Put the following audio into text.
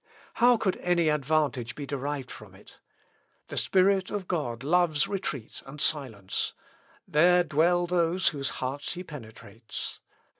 How could any advantage be derived from it? The Spirit of God loves retreat and silence: there dwell those whose hearts he penetrates.